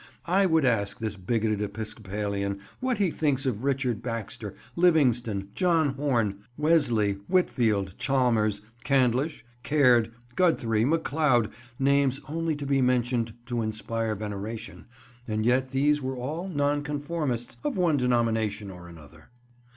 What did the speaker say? I would ask this bigoted Episcopalian what he thinks of Richard Baxter, Livingston, John Horne, Wesley, Whitfield, Chalmers, Candlish, Caird, Guthrie, McLeod, names only to be mentioned to inspire veneration, and yet these were all Nonconformists of one denomination or another.